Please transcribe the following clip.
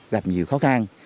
gặp nhiều khó khăn